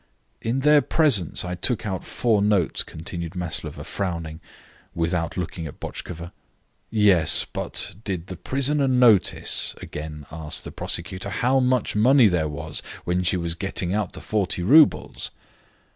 "In their presence I took out four notes," continued Maslova, frowning, without looking at Botchkova. "Yes, but did the prisoner notice," again asked the prosecutor, "how much money there was when she was getting out the 40 roubles?"